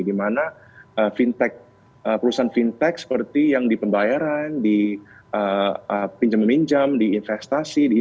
dimana fintech perusahaan fintech seperti yang di pembayaran di pinjam pinjam di investasi di pilihan